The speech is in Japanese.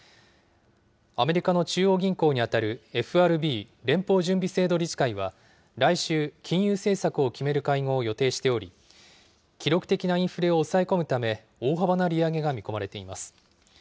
アメリカの中央銀行に当たるＦＲＢ・連邦準備制度理事会は、来週、金融政策を決める会合を予定しており、記録的なインフレを抑え込むため、大幅な利上げが見込まれています。